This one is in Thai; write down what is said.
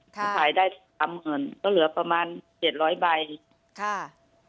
ค่ะถ่ายได้สามหมื่นก็เหลือประมาณเจ็ดร้อยใบค่ะ